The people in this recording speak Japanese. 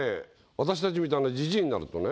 私たちみたいなジジイになるとね